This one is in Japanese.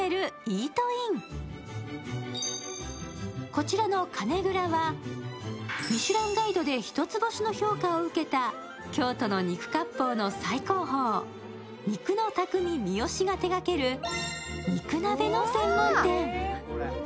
こちらのＫＡＮＥＧＵＲＡは、ミシュランガイドで一つ星の評価を受けた京都の肉かっぽうの最高峰、にくの匠三芳が手がける肉鍋の専門店。